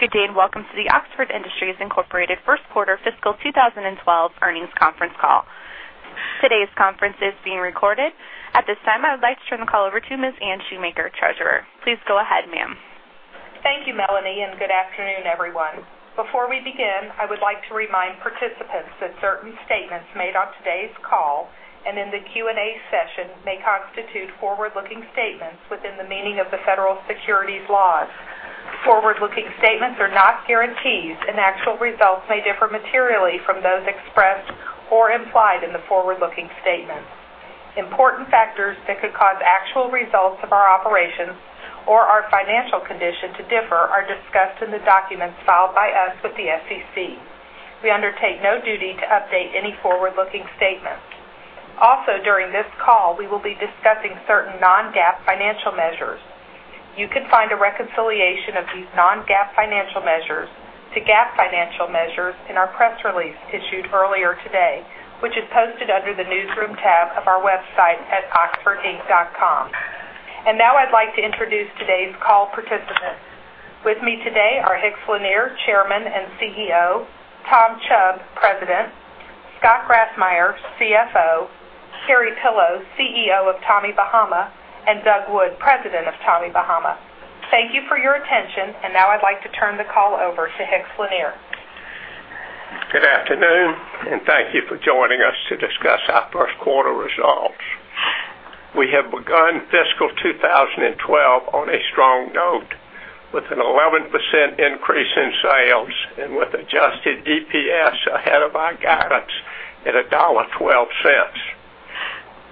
Good day, welcome to the Oxford Industries, Inc. first quarter fiscal 2012 earnings conference call. Today's conference is being recorded. At this time, I would like to turn the call over to Ms. Anne Shoemaker, Treasurer. Please go ahead, ma'am. Thank you, Melanie, good afternoon, everyone. Before we begin, I would like to remind participants that certain statements made on today's call and in the Q&A session may constitute forward-looking statements within the meaning of the federal securities laws. Forward-looking statements are not guarantees, actual results may differ materially from those expressed or implied in the forward-looking statements. Important factors that could cause actual results of our operations or our financial condition to differ are discussed in the documents filed by us with the SEC. We undertake no duty to update any forward-looking statements. Also, during this call, we will be discussing certain non-GAAP financial measures. You can find a reconciliation of these non-GAAP financial measures to GAAP financial measures in our press release issued earlier today, which is posted under the Newsroom tab of our website at oxfordinc.com. Now I'd like to introduce today's call participants. With me today are Hicks Lanier, Chairman and CEO, Tom Chubb, President, Scott Grassmyer, CFO, Terry Pillow, CEO of Tommy Bahama, Doug Wood, President of Tommy Bahama. Thank you for your attention, now I'd like to turn the call over to Hicks Lanier. Good afternoon, thank you for joining us to discuss our first quarter results. We have begun fiscal 2012 on a strong note, with an 11% increase in sales and with adjusted DPS ahead of our guidance at $1.12.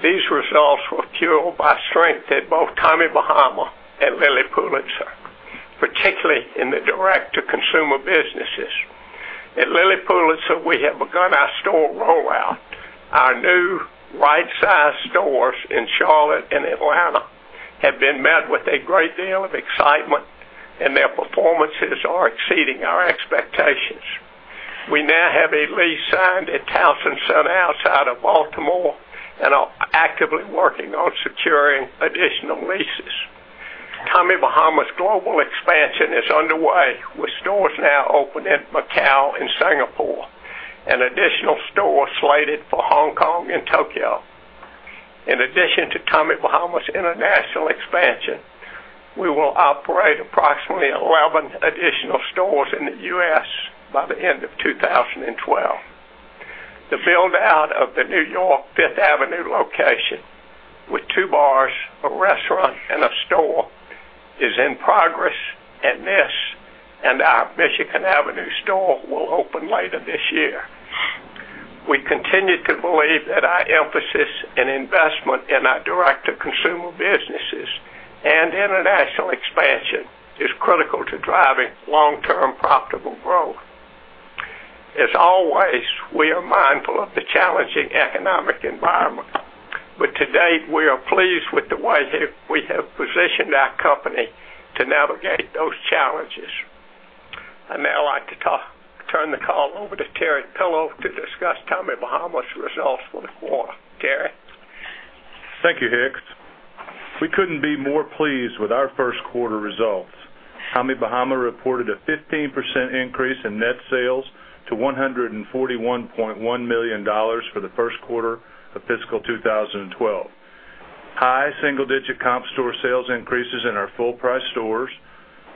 These results were fueled by strength at both Tommy Bahama and Lilly Pulitzer, particularly in the direct-to-consumer businesses. At Lilly Pulitzer, we have begun our store rollout. Our new right-sized stores in Charlotte and Atlanta have been met with a great deal of excitement, their performances are exceeding our expectations. We now have a lease signed at Towson Town Center outside of Baltimore and are actively working on securing additional leases. Tommy Bahama's global expansion is underway, with stores now open in Macau and Singapore, additional stores slated for Hong Kong and Tokyo. In addition to Tommy Bahama's international expansion, we will operate approximately 11 additional stores in the U.S. by the end of 2012. The build-out of the New York Fifth Avenue location with two bars, a restaurant, and a store is in progress, and this and our Michigan Avenue store will open later this year. We continue to believe that our emphasis and investment in our direct-to-consumer businesses and international expansion is critical to driving long-term profitable growth. As always, we are mindful of the challenging economic environment, but to date, we are pleased with the way that we have positioned our company to navigate those challenges. I'd now like to turn the call over to Terry Pillow to discuss Tommy Bahama's results for the quarter. Terry? Thank you, Hicks. We couldn't be more pleased with our first quarter results. Tommy Bahama reported a 15% increase in net sales to $141.1 million for the first quarter of fiscal 2012. High single-digit comp store sales increases in our full-price stores,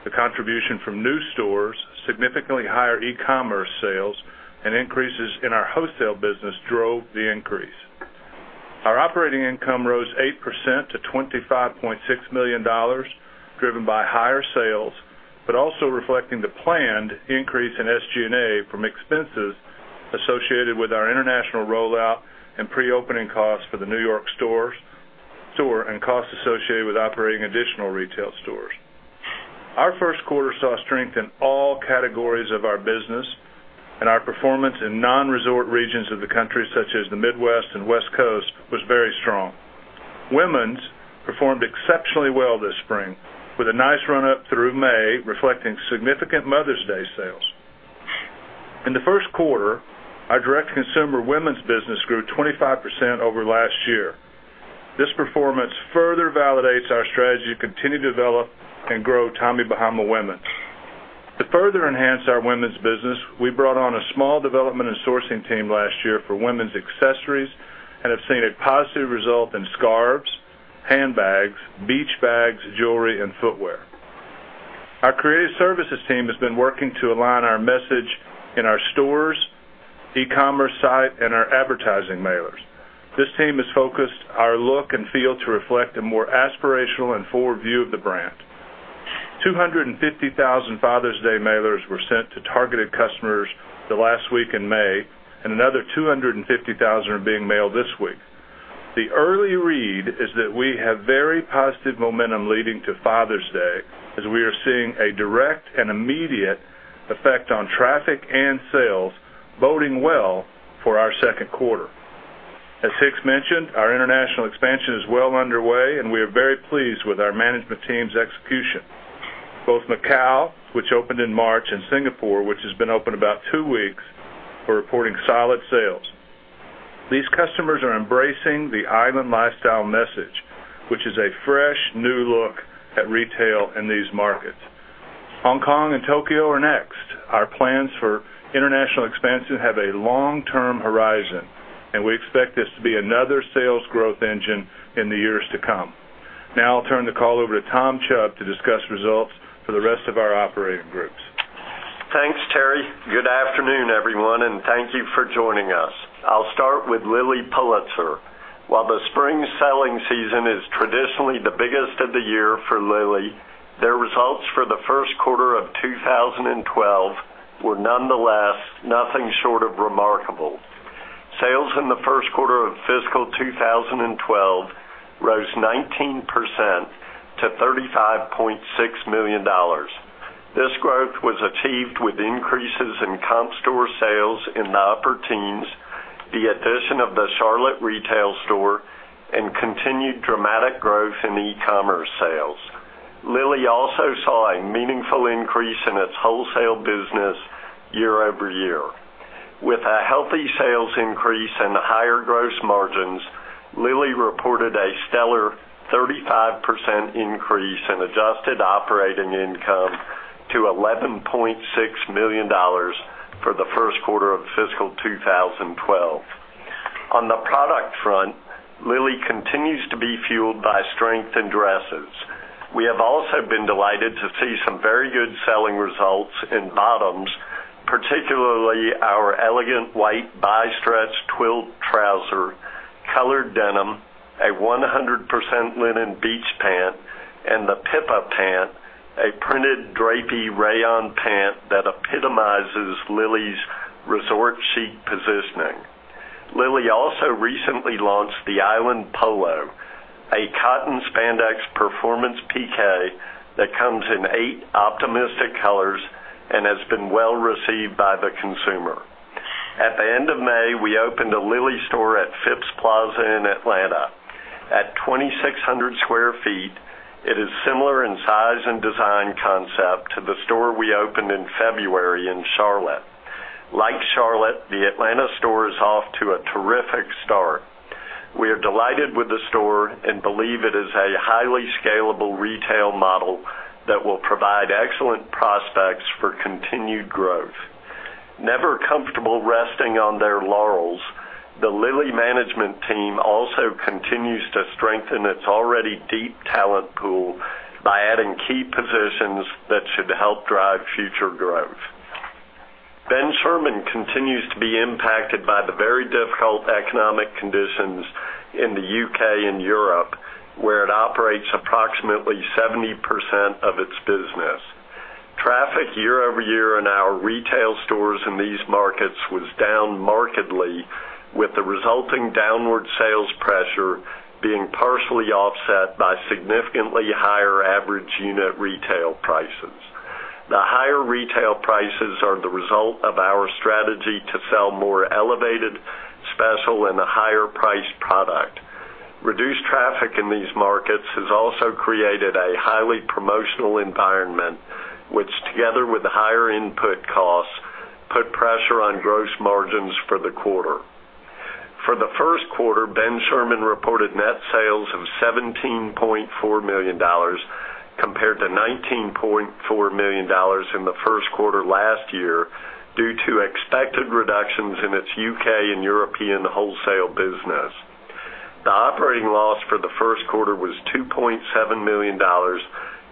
the contribution from new stores, significantly higher e-commerce sales, and increases in our wholesale business drove the increase. Our operating income rose 8% to $25.6 million, driven by higher sales, but also reflecting the planned increase in SG&A from expenses associated with our international rollout and pre-opening costs for the New York store and costs associated with operating additional retail stores. Our first quarter saw strength in all categories of our business, and our performance in non-resort regions of the country, such as the Midwest and West Coast, was very strong. Women's performed exceptionally well this spring, with a nice run-up through May, reflecting significant Mother's Day sales. In the first quarter, our direct-to-consumer women's business grew 25% over last year. This performance further validates our strategy to continue to develop and grow Tommy Bahama women's. To further enhance our women's business, we brought on a small development and sourcing team last year for women's accessories and have seen a positive result in scarves, handbags, beach bags, jewelry, and footwear. Our creative services team has been working to align our message in our stores, e-commerce site, and our advertising mailers. This team has focused our look and feel to reflect a more aspirational and forward view of the brand. 250,000 Father's Day mailers were sent to targeted customers the last week in May, and another 250,000 are being mailed this week. The early read is that we have very positive momentum leading to Father's Day, as we are seeing a direct and immediate effect on traffic and sales, boding well for our second quarter. As Hicks mentioned, our international expansion is well underway, and we are very pleased with our management team's execution. Both Macau, which opened in March, and Singapore, which has been open about two weeks, are reporting solid sales. These customers are embracing the island lifestyle message, which is a fresh new look at retail in these markets. Hong Kong and Tokyo are next. Our plans for international expansion have a long-term horizon, and we expect this to be another sales growth engine in the years to come. Now I'll turn the call over to Tom Chubb to discuss results for the rest of our operating groups. Thanks, Terry. Good afternoon, everyone, and thank you for joining us. I'll start with Lilly Pulitzer. While the spring selling season is traditionally the biggest of the year for Lilly, their results for the first quarter of 2012 were nonetheless nothing short of remarkable. Sales in the first quarter of fiscal 2012 rose 19% to $35.6 million. This growth was achieved with increases in comp store sales in the upper teens, the addition of the Charlotte retail store, and continued dramatic growth in e-commerce sales. Lilly also saw a meaningful increase in its wholesale business year-over-year. With a healthy sales increase and higher gross margins, Lilly reported a stellar 35% increase in adjusted operating income to $11.6 million for the first quarter of fiscal 2012. On the product front, Lilly continues to be fueled by strength in dresses. We have also been delighted to see some very good selling results in bottoms, particularly our elegant white bi-stretch twill trouser, colored denim, a 100% linen beach pant, and the Pippa Pant, a printed drapey rayon pant that epitomizes Lilly's resort chic positioning. Lilly also recently launched the Island Polo, a cotton spandex performance PK that comes in eight optimistic colors and has been well-received by the consumer. At the end of May, we opened a Lilly store at Phipps Plaza in Atlanta. At 2,600 sq ft, it is similar in size and design concept to the store we opened in February in Charlotte. Like Charlotte, the Atlanta store is off to a terrific start. We are delighted with the store and believe it is a highly scalable retail model that will provide excellent prospects for continued growth. Never comfortable resting on their laurels, the Lilly management team also continues to strengthen its already deep talent pool by adding key positions that should help drive future growth. Ben Sherman continues to be impacted by the very difficult economic conditions in the U.K. and Europe, where it operates approximately 70% of its business. Traffic year-over-year in our retail stores in these markets was down markedly, with the resulting downward sales pressure being partially offset by significantly higher average unit retail prices. The higher retail prices are the result of our strategy to sell more elevated, special, and a higher priced product. Reduced traffic in these markets has also created a highly promotional environment, which together with higher input costs, put pressure on gross margins for the quarter. For the first quarter, Ben Sherman reported net sales of $17.4 million compared to $19.4 million in the first quarter last year due to expected reductions in its U.K. and European wholesale business. The operating loss for the first quarter was $2.7 million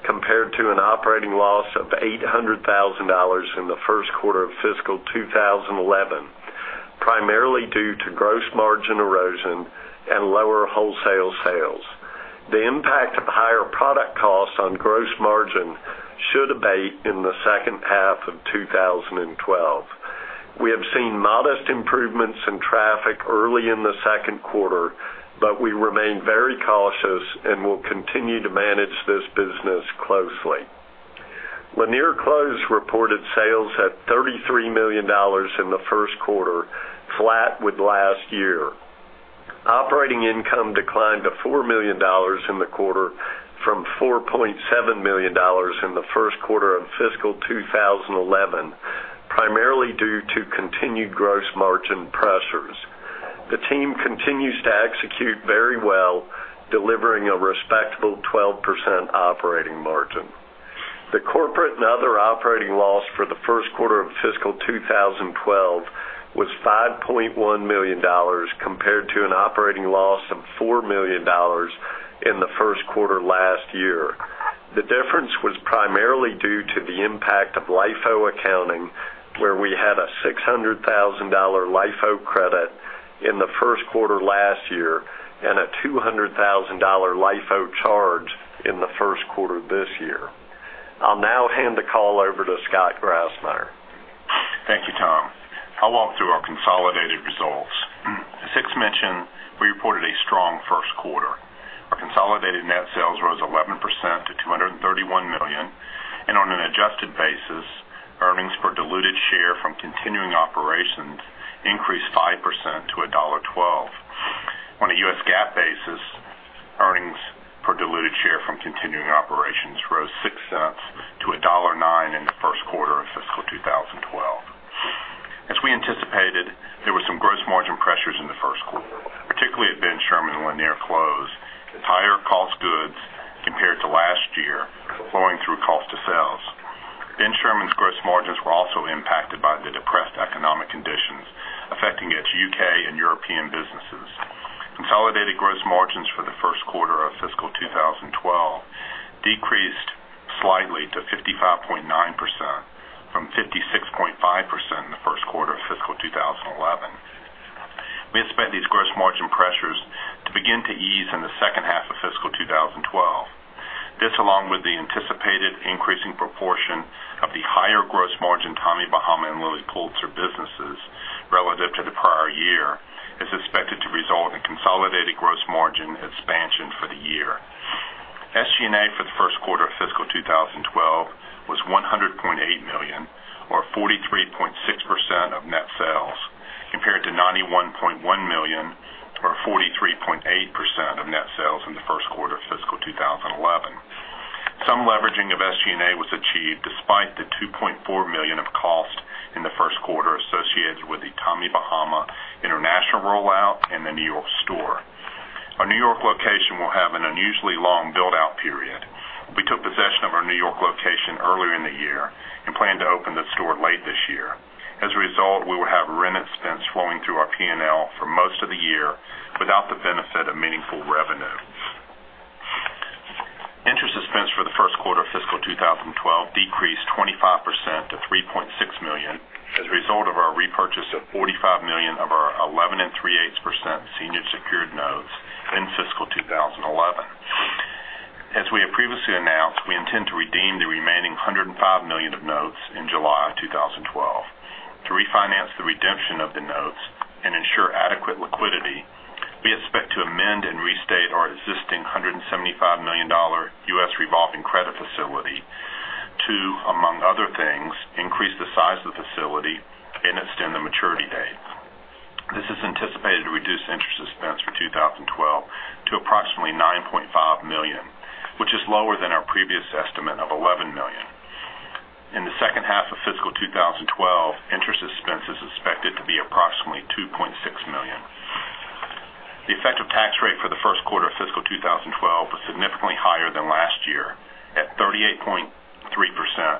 compared to an operating loss of $800,000 in the first quarter of fiscal 2011, primarily due to gross margin erosion and lower wholesale sales. The impact of higher product costs on gross margin should abate in the second half of 2012. We have seen modest improvements in traffic early in the second quarter, we remain very cautious and will continue to manage this business closely. Lanier Clothes reported sales at $33 million in the first quarter, flat with last year. Operating income declined to $4 million in the quarter from $4.7 million in the first quarter of fiscal 2011, primarily due to continued gross margin pressures. The team continues to execute very well, delivering a respectable 12% operating margin. The corporate and other operating loss for the first quarter of fiscal 2012 was $5.1 million compared to an operating loss of $4 million in the first quarter last year. The difference was primarily due to the impact of LIFO accounting, where we had a $600,000 LIFO credit in the first quarter last year and a $200,000 LIFO charge in the first quarter this year. I'll now hand the call over to Scott Grassmyer. Thank you, Tom. I'll walk through our consolidated results. As Hicks mentioned, we reported a strong first quarter. Our consolidated net sales rose 11% to $231 million, and on an adjusted basis, earnings per diluted share from continuing operations increased 5% to $1.12. 2012. As we anticipated, there were some gross margin pressures in the first quarter, particularly at Ben Sherman when they are closed. Higher cost goods compared to last year flowing through cost of sales. Ben Sherman's gross margins were also impacted by the depressed economic conditions affecting its U.K. and European businesses. Consolidated gross margins for the first quarter of fiscal 2012 decreased slightly to 55.9% from 56.5% in the first quarter of fiscal 2011. We expect these gross margin pressures to begin to ease in the second half of fiscal 2012. This, along with the anticipated increasing proportion of the higher gross margin Tommy Bahama and Lilly Pulitzer businesses relative to the prior year, is expected to result in consolidated gross margin expansion for the year. SG&A for the first quarter of fiscal 2012 was $100.8 million or 43.6% of net sales, compared to $91.1 million or 43.8% of net sales in the first quarter of fiscal 2011. Some leveraging of SG&A was achieved despite the $2.4 million of cost in the first quarter associated with the Tommy Bahama International rollout and the New York store. Our New York location will have an unusually long build-out period. We took possession of our New York location earlier in the year and plan to open the store late this year. As a result, we will have rent expense flowing through our P&L for most of the year without the benefit of meaningful revenue. Interest expense for the first quarter of fiscal 2012 decreased 25% to $3.6 million as a result of our repurchase of $45 million of our 11.375% senior secured notes in fiscal 2011. As we have previously announced, we intend to redeem the remaining $105 million of notes in July of 2012. To refinance the redemption of the notes and ensure adequate liquidity, we expect to amend and restate our existing $175 million U.S. revolving credit facility to, among other things, increase the size of the facility and extend the maturity date. This is anticipated to reduce interest expense for 2012 to approximately $9.5 million, which is lower than our previous estimate of $11 million. In the second half of fiscal 2012, interest expense is expected to be approximately $2.6 million. The effective tax rate for the first quarter of fiscal 2012 was significantly higher than last year, at 38.3%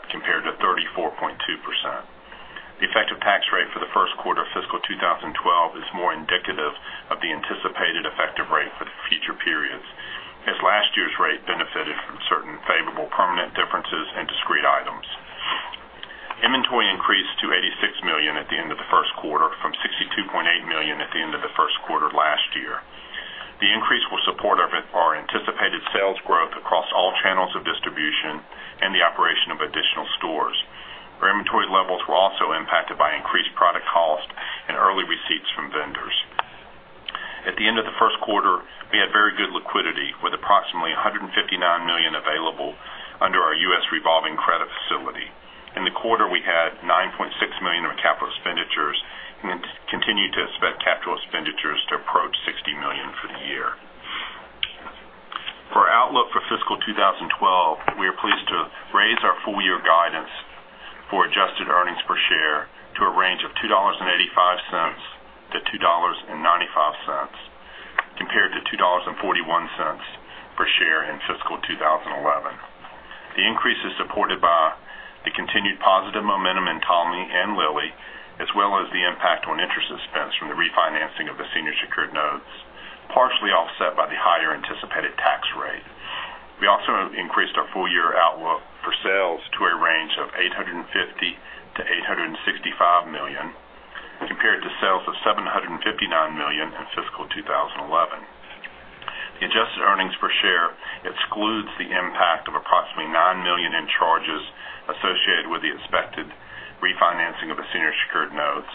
compared to 34.2%. The effective tax rate for the first quarter of fiscal 2012 is more indicative of the anticipated effective rate for the future periods, as last year's rate benefited from certain favorable permanent differences and discrete items. Inventory increased to $86 million at the end of the first quarter from $62.8 million at the end of the first quarter last year. The increase will support our anticipated sales growth across all channels of distribution and the operation of additional stores. Our inventory levels were also impacted by increased product cost and early receipts from vendors. At the end of the first quarter, we had very good liquidity, with approximately $159 million available under our U.S. revolving credit facility. In the quarter, we had $9.6 million in capital expenditures and continue to expect capital expenditures to approach $60 million for the year. For our outlook for fiscal 2012, we are pleased to raise our full year guidance for adjusted earnings per share to a range of $2.85-$2.95, compared to $2.41 per share in fiscal 2011. The increase is supported by the continued positive momentum in Tommy and Lilly, as well as the impact on interest expense from the refinancing of the senior secured notes, partially offset by the higher anticipated tax rate. We also increased our full year outlook for sales to a range of $850 million-$865 million, compared to sales of $759 million in fiscal 2011. The adjusted earnings per share excludes the impact of approximately $9 million in charges associated with the expected refinancing of the senior secured notes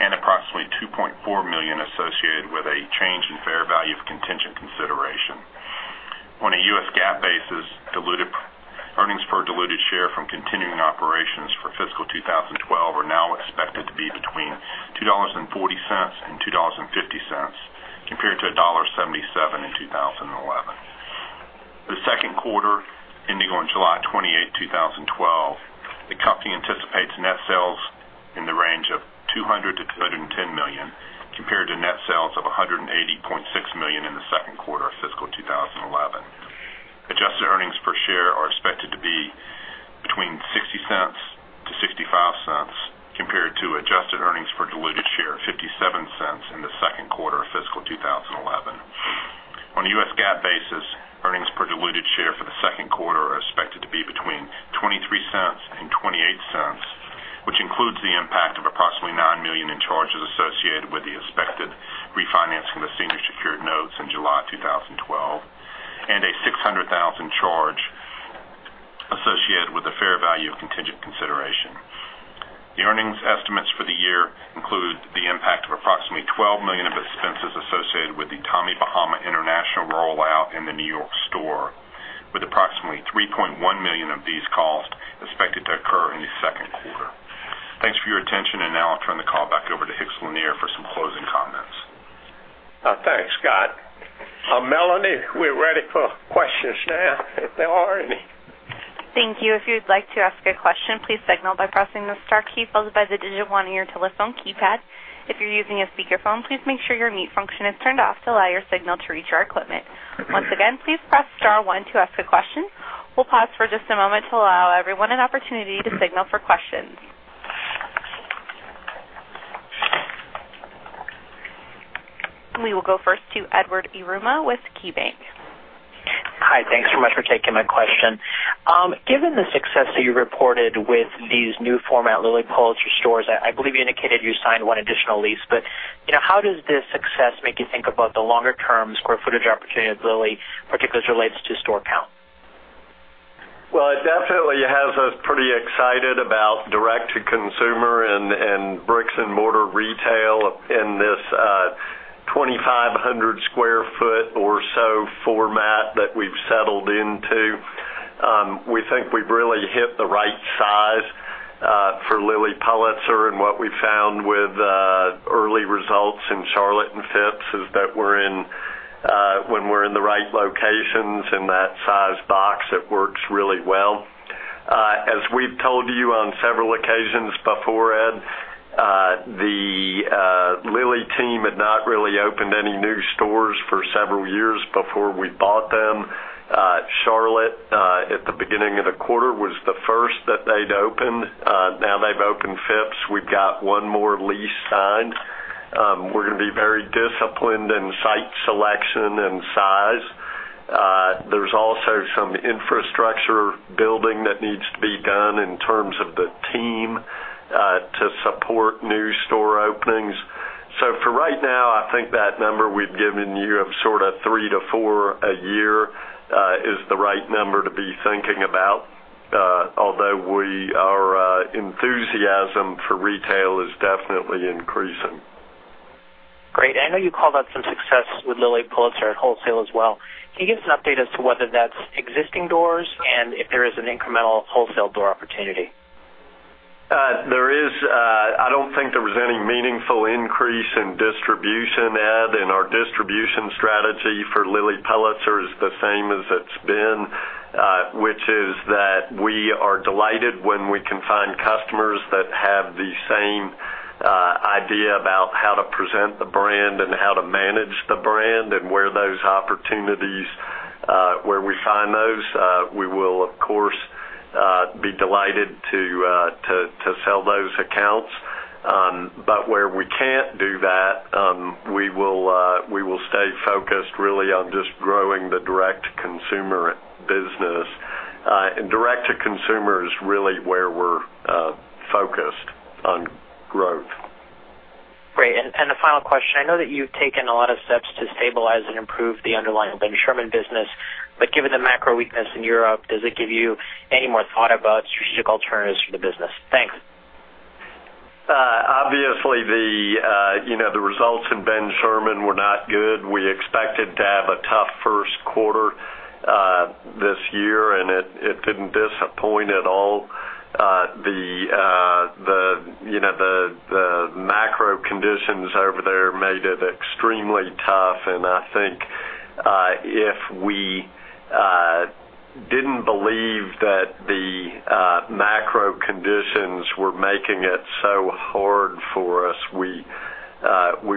and approximately $2.4 million associated with a change in fair value of contingent consideration. On a U.S. GAAP basis, earnings per diluted share from continuing operations for fiscal 2012 are now expected to be between $2.40 and $2.50, compared to $1.77 in 2011. For the second quarter ending on July 28, 2012, the company anticipates net sales in the range of $200 million-$210 million, compared to net sales of $180.6 million in the second quarter of fiscal 2011. Adjusted earnings per share are expected to be between $0.60-$0.65, compared to adjusted earnings per diluted share of $0.57 in the second quarter of fiscal 2011. On a U.S. GAAP basis, earnings per diluted share for the second quarter are expected to be between $0.23 and $0.28, which includes the impact of approximately $9 million in charges associated with the expected refinancing of the senior secured notes in July 2012 and a $600,000 charge associated with the fair value of contingent consideration. The earnings estimates for the year include the impact of approximately $12 million of expenses associated with the Tommy Bahama International rollout in the New York store, with approximately $3.1 million of these costs expected to occur in the second quarter. Just now, if there are any. Thank you. If you'd like to ask a question, please signal by pressing the star key followed by the digit one on your telephone keypad. If you're using a speakerphone, please make sure your mute function is turned off to allow your signal to reach our equipment. Once again, please press star one to ask a question. We'll pause for just a moment to allow everyone an opportunity to signal for questions. We will go first to Edward Yruma with KeyBanc. Hi, thanks so much for taking my question. Given the success that you reported with these new format Lilly Pulitzer stores, I believe you indicated you signed one additional lease. How does this success make you think about the longer-term square footage opportunity at Lilly, particularly as it relates to store count? Well, it definitely has us pretty excited about direct-to-consumer and bricks and mortar retail in this 2,500 square foot or so format that we've settled into. We think we've really hit the right size for Lilly Pulitzer, and what we've found with early results in Charlotte and Phipps is that when we're in the right locations in that size box, it works really well. As we've told you on several occasions before, Ed, the Lilly team had not really opened any new stores for several years before we bought them. Charlotte, at the beginning of the quarter, was the first that they'd opened. Now they've opened Phipps. We've got one more lease signed. We're going to be very disciplined in site selection and size. There's also some infrastructure building that needs to be done in terms of the team to support new store openings. For right now, I think that number we've given you of sort of three to four a year is the right number to be thinking about. Although our enthusiasm for retail is definitely increasing. Great. I know you called out some success with Lilly Pulitzer at wholesale as well. Can you give us an update as to whether that's existing doors and if there is an incremental wholesale door opportunity? I don't think there was any meaningful increase in distribution, Ed, and our distribution strategy for Lilly Pulitzer is the same as it's been, which is that we are delighted when we can find customers that have the same idea about how to present the brand and how to manage the brand, and where we find those, we will, of course, be delighted to sell those accounts. Where we can't do that, we will stay focused really on just growing the direct-to-consumer business. Direct-to-consumer is really where we're focused on growth. Great. The final question, I know that you've taken a lot of steps to stabilize and improve the underlying Ben Sherman business, but given the macro weakness in Europe, does it give you any more thought about strategic alternatives for the business? Thanks. Obviously, the results in Ben Sherman were not good. We expected to have a tough first quarter this year, it didn't disappoint at all. The macro conditions over there made it extremely tough, I think if we didn't believe that the macro conditions were making it so hard for us, we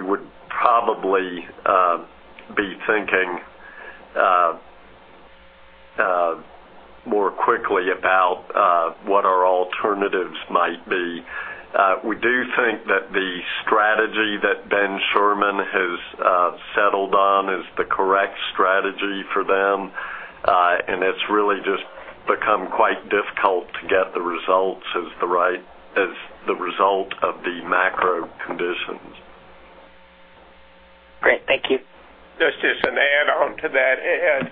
would probably be thinking more quickly about what our alternatives might be. We do think that the strategy that Ben Sherman has settled on is the correct strategy for them. It's really just become quite difficult to get the results as the result of the macro conditions. Great. Thank you. Just as an add-on to that, Ed.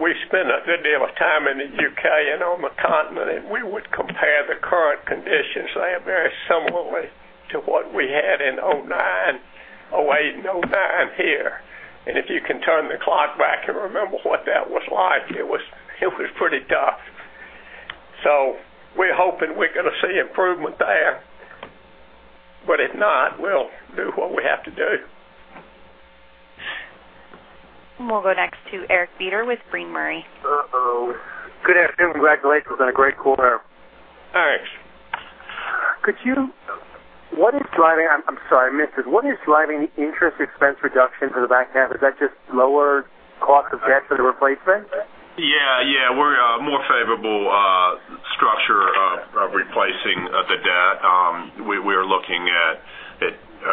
We spent a good deal of time in the U.K. on the continent, we would compare the current conditions. They are very similar to what we had in 2008 and 2009 here. If you can turn the clock back and remember what that was like, it was pretty tough. We're hoping we're going to see improvement there. If not, we'll do what we have to do. We'll go next to Eric Beder with Brean Murray. Uh-oh. Good afternoon. Congratulations on a great quarter. Thanks. I'm sorry, I missed it. What is driving the interest expense reduction for the back half? Is that just lower cost of debt for the replacement? Yeah. We're a more favorable structure of replacing the debt. We are looking at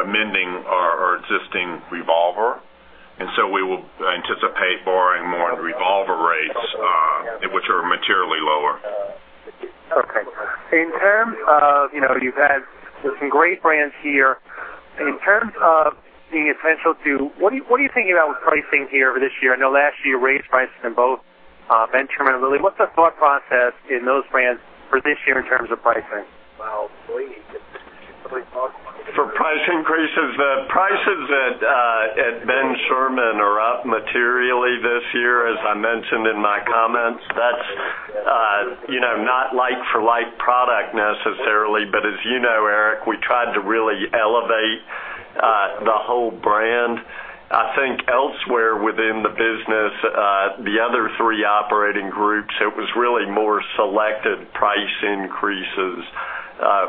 amending our existing revolver, and so we will anticipate borrowing more at revolver rates, which are materially lower. Okay. You've had some great brands here. In terms of being essential to, what are you thinking about with pricing here over this year? I know last year you raised prices in both Ben Sherman and Lilly. What's the thought process in those brands for this year in terms of pricing? Well, please. For price increases. The prices at Ben Sherman are up materially this year, as I mentioned in my comments. That's not like-for-like product necessarily, but as you know, Eric, we tried to really. The whole brand. I think elsewhere within the business, the other three operating groups, it was really more selected price increases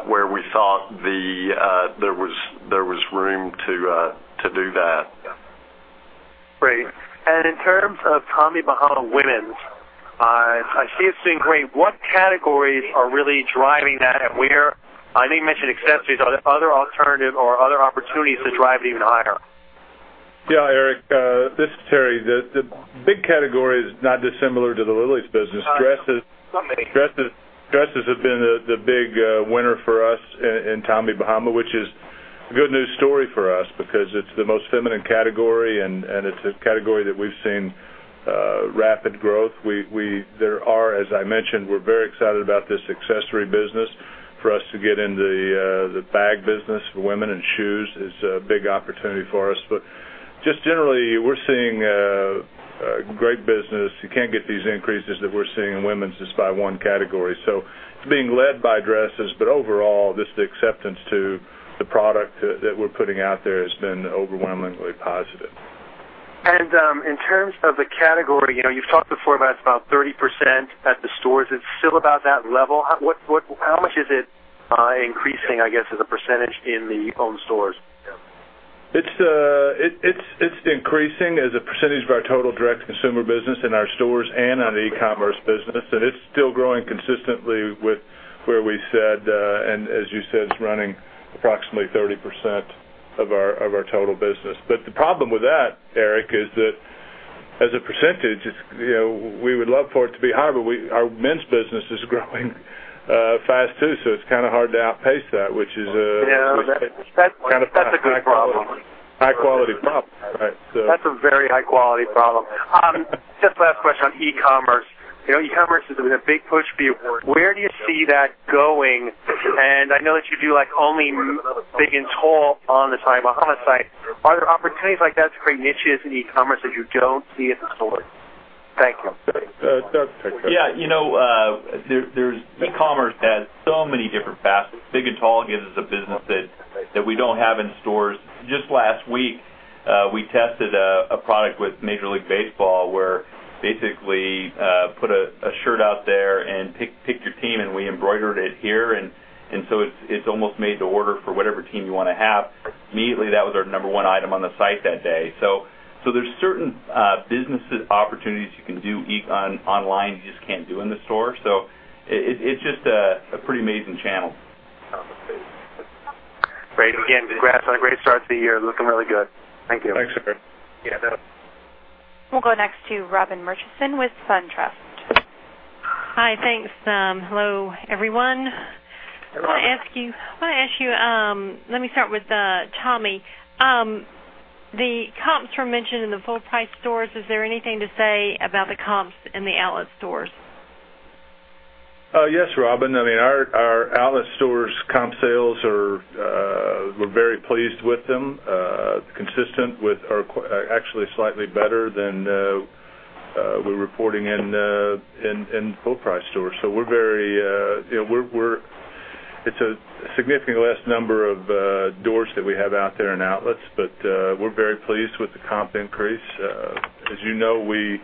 where we thought there was room to do that. Great. In terms of Tommy Bahama women's, I see it's doing great. What categories are really driving that and where? I think you mentioned accessories. Are there other alternative or other opportunities to drive it even higher? Great. In terms of the category, you've talked before about 30% at the stores. Is it still about that level? How much is it increasing, I guess, as a percentage in the own stores? It's increasing as a percentage of our total direct-to-consumer business in our stores and on the e-commerce business. It's still growing consistently with where we said, and as you said, it's running approximately 30% of our total business. The problem with that, Eric, is that as a percentage, we would love for it to be higher, but our men's business is growing fast too, so it's kind of hard to outpace that, which is. Yeah. That's a good problem. high-quality problem. That's a very high-quality problem. Just last question on e-commerce. E-commerce has been a big push for you. Where do you see that going? I know that you do only Big and Tall on the Tommy Bahama site. Are there opportunities like that to create niches in e-commerce that you don't see at the store? Thank you. Doug, take that. Yeah. E-commerce has so many different facets. Big and Tall gives us a business that we don't have in stores. Just last week, we tested a product with Major League Baseball where basically put a shirt out there and pick your team, and we embroidered it here. It's almost made to order for whatever team you want to have. Immediately, that was our number one item on the site that day. There's certain business opportunities you can do online you just can't do in the store. It's just a pretty amazing channel. Great. Again, congrats on a great start to the year. Looking really good. Thank you. Thanks, Eric. Yeah. We'll go next to Robin Murchison with SunTrust. Hi, thanks. Hello, everyone. Hey, Robin. I want to ask you, let me start with Tommy. The comps were mentioned in the full price stores. Is there anything to say about the comps in the outlet stores? Yes, Robin. Our outlet stores comp sales, we're very pleased with them. Consistent with Actually, slightly better than we're reporting in full price stores. It's a significantly less number of doors that we have out there in outlets, but we're very pleased with the comp increase. As you know, we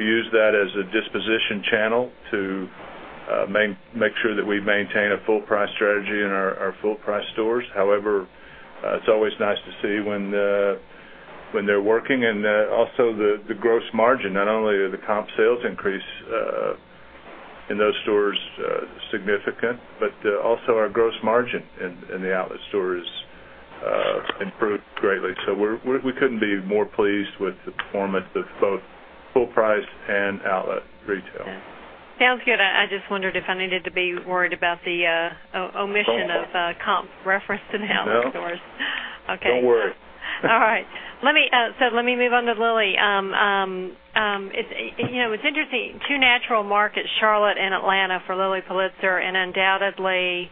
use that as a disposition channel to make sure that we maintain a full price strategy in our full price stores. It's always nice to see when they're working and also the gross margin. Not only are the comp sales increase in those stores significant, but also our gross margin in the outlet stores improved greatly. We couldn't be more pleased with the performance of both full price and outlet retail. Sounds good. I just wondered if I needed to be worried about the omission of comps referenced in outlet stores. No. Okay. Don't worry. All right. Let me move on to Lilly. It's interesting, two natural markets, Charlotte and Atlanta, for Lilly Pulitzer, and undoubtedly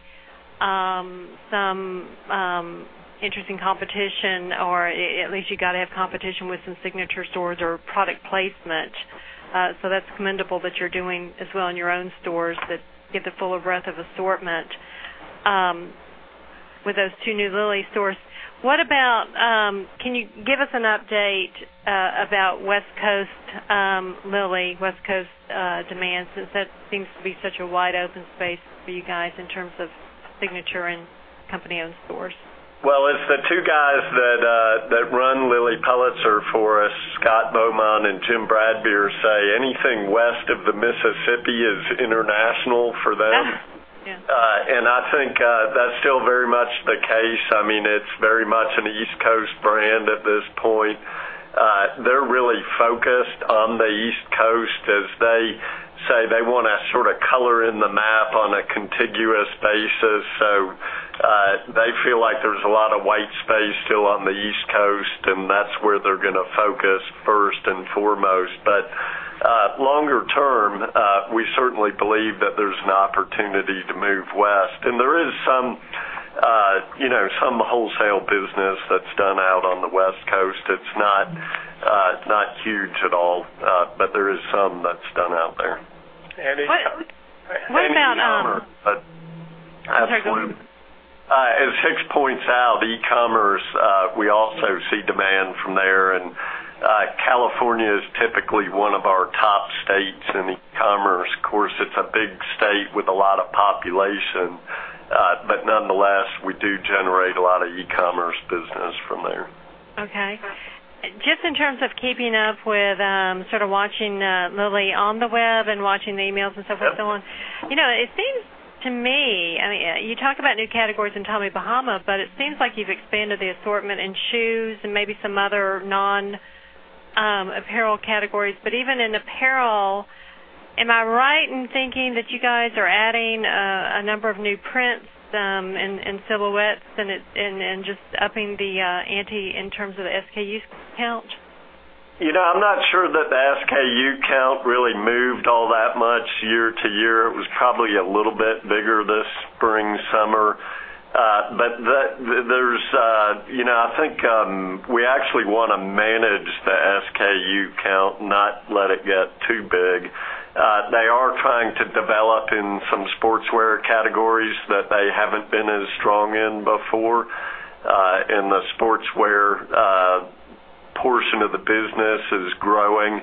some interesting competition, or at least you got to have competition with some signature stores or product placement. That's commendable that you're doing as well in your own stores that get the fuller breadth of assortment with those two new Lilly stores. Can you give us an update about West Coast Lilly, West Coast demand, since that seems to be such a wide open space for you guys in terms of signature and company-owned stores? Well, as the two guys that run Lilly Pulitzer for us, Scott Beaumont and Jim Bradbeer say, anything west of the Mississippi is international for them. Yeah. I think that's still very much the case. It's very much an East Coast brand at this point. They're really focused on the East Coast, as they say they want to sort of color in the map on a contiguous basis. They feel like there's a lot of white space still on the East Coast, and that's where they're going to focus first and foremost. Longer term, we certainly believe that there's an opportunity to move west. There is some wholesale business that's done out on the West Coast. It's not huge at all. There is some that's done out there. E-commerce. I'm sorry, go ahead. As Hicks points out, e-commerce, we also see demand from there. California is typically one of our top states in e-commerce. Of course, it's a big state with a lot of population. Nonetheless, we do generate a lot of e-commerce business from there. Okay. Just in terms of keeping up with sort of watching Lilly on the web and watching the emails and so forth, so on. It seems to me, you talk about new categories in Tommy Bahama, but it seems like you've expanded the assortment in shoes and maybe some other non-apparel categories. Even in apparel, am I right in thinking that you guys are adding a number of new prints and silhouettes and just upping the ante in terms of the SKU count? I'm not sure that the SKU count really moved all that much year to year. It was probably a little bit bigger this spring, summer. I think we actually want to manage the SKU count, not let it get too big. They are trying to develop in some sportswear categories that they haven't been as strong in before. The sportswear portion of the business is growing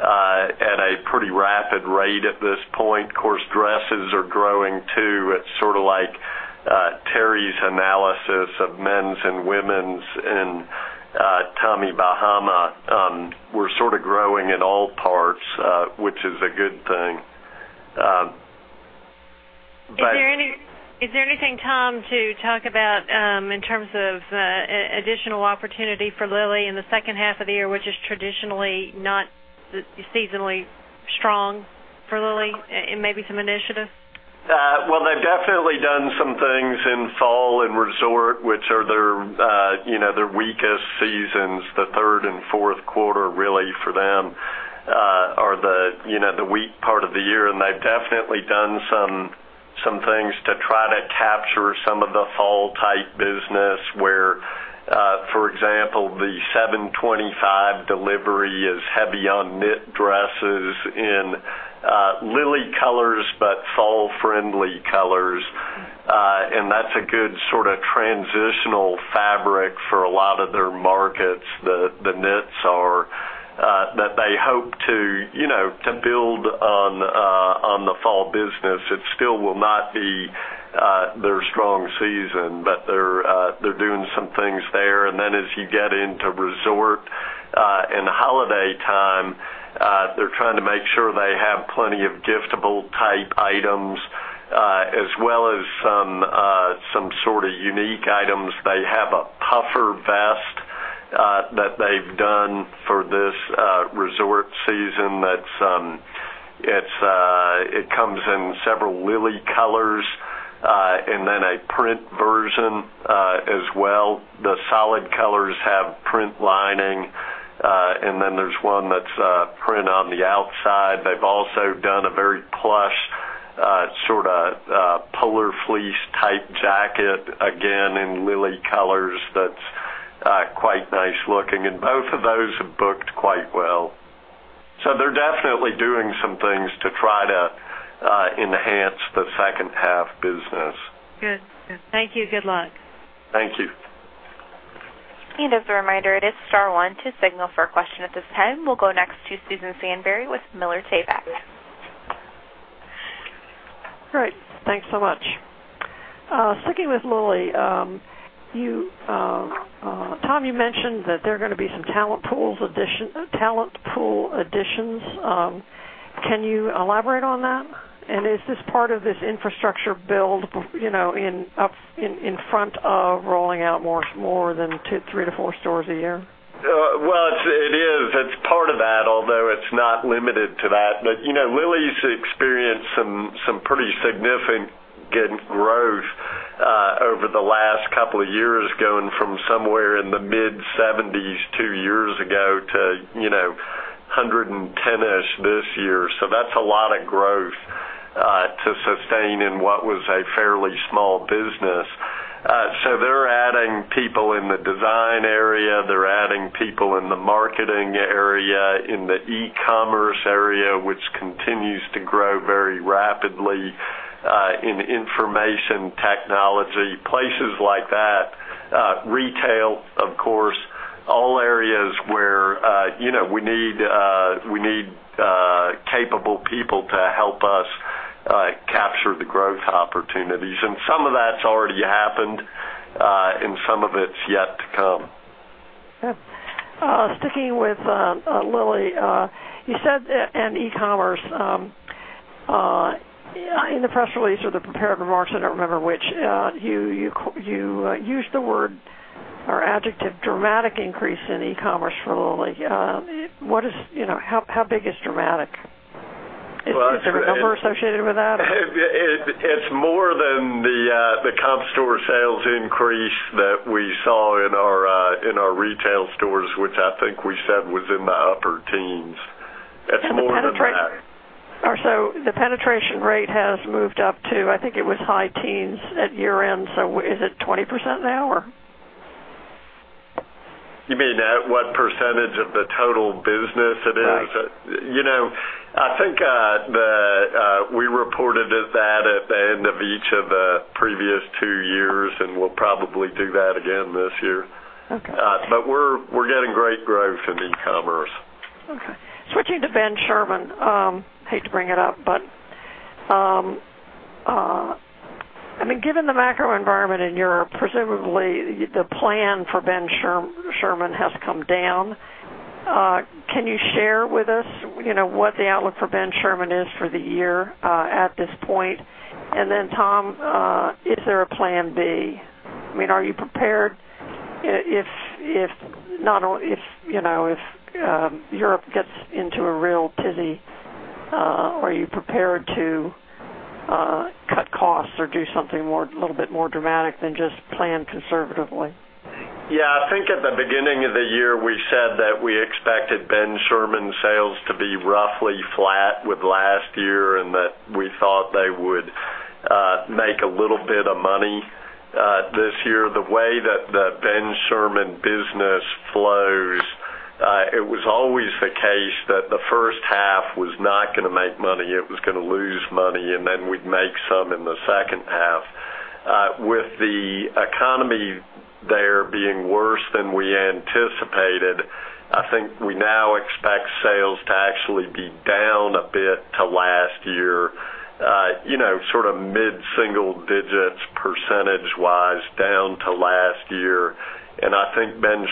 at a pretty rapid rate at this point. Of course, dresses are growing, too. It's sort of like Terry's analysis of men's and women's in Tommy Bahama. We're sort of growing in all parts, which is a good thing. Is there anything, Tom, to talk about in terms of additional opportunity for Lilly in the second half of the year, which is traditionally not seasonally strong for Lilly and maybe some initiatives? Well, they've definitely done some things in fall and resort, which are their weakest seasons. The third and fourth quarter really for them are the weak part of the year, they've definitely done some things to try to capture some of the fall type business where, for example, the seven 25 delivery is heavy on knit dresses in Lilly colors, but fall-friendly colors. That's a good sort of transitional fabric for a lot of their markets, the knits are, that they hope to build on the fall business. It still will not be their strong season, but they're doing some things there. Then as you get into resort and holiday time, they're trying to make sure they have plenty of giftable type items, as well as some sort of unique items. They have a puffer vest that they've done for this resort season. It comes in several Lilly colors, then a print version as well. The solid colors have print lining, then there's one that's print on the outside. They've also done a very plush, sort of polar fleece type jacket, again in Lilly colors that's quite nice looking. Both of those have booked quite well. They're definitely doing some things to try to enhance the second half business. Good. Thank you. Good luck. Thank you. As a reminder, it is star one to signal for a question at this time. We'll go next to Susan Sansbury with Miller Tabak. Great. Thanks so much. Sticking with Lilly, Tom, you mentioned that there are going to be some talent pool additions. Can you elaborate on that? Is this part of this infrastructure build in front of rolling out more than three to four stores a year? Well, it is. It's part of that, although it's not limited to that. Lilly's experienced some pretty significant growth over the last couple of years, going from somewhere in the mid-70s two years ago to 110-ish this year. That's a lot of growth to sustain in what was a fairly small business. They're adding people in the design area. They're adding people in the marketing area, in the e-commerce area, which continues to grow very rapidly in information technology, places like that. Retail, of course, all areas where we need capable people to help us capture the growth opportunities. Some of that's already happened, and some of it's yet to come. Good. Sticking with Lilly and e-commerce, in the press release or the prepared remarks, I don't remember which, you used the word or adjective, dramatic increase in e-commerce for Lilly. How big is dramatic? Well, it's- Is there a number associated with that? Well, it's more than the comp store sales increase that we saw in our retail stores, which I think we said was in the upper teens. It's more than that. The penetration rate has moved up to, I think it was high teens at year-end. Is it 20% now? You mean at what percentage of the total business it is? Right. I think we reported at that at the end of each of the previous two years, and we'll probably do that again this year. Okay. We're getting great growth in e-commerce. Okay. Switching to Ben Sherman. Hate to bring it up, but given the macro environment in Europe, presumably the plan for Ben Sherman has come down. Can you share with us what the outlook for Ben Sherman is for the year at this point? Tom, is there a plan B? Are you prepared if Europe gets into a real tizzy, are you prepared to cut costs or do something a little bit more dramatic than just plan conservatively? Yeah, I think at the beginning of the year, we said that we expected Ben Sherman sales to be roughly flat with last year and that we thought they would make a little bit of money this year. The way that the Ben Sherman business flows, it was always the case that the first half was not going to make money, it was going to lose money, and then we'd make some in the second half. With the economy there being worse than we anticipated, I think we now expect sales to actually be down a bit to last year, sort of mid-single digits percentage-wise down to last year. I think Ben